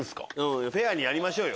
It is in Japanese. フェアにやりましょうよ。